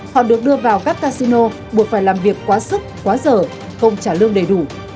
họ được đưa vào các casino buộc phải làm việc quá sức quá giờ không trả lương đầy đủ